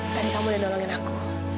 tadi kamu udah doangin aku